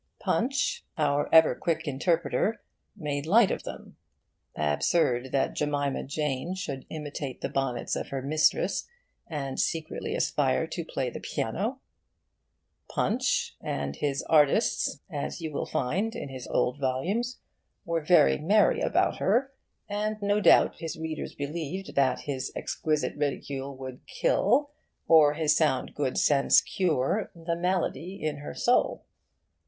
'Punch,' our ever quick interpreter, made light of them. Absurd that Jemima Jane should imitate the bonnets of her mistress and secretly aspire to play the piano! 'Punch' and his artists, as you will find in his old volumes, were very merry about her, and no doubt his readers believed that his exquisite ridicule would kill, or his sound good sense cure, the malady in her soul.